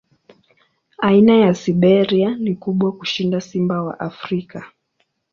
Aina ya Siberia ni kubwa kushinda simba wa Afrika.